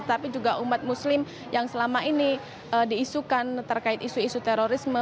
tapi juga umat muslim yang selama ini diisukan terkait isu isu terorisme